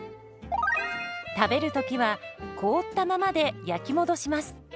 食べる時は凍ったままで焼き戻します。